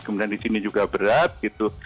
kemudian di sini juga berat gitu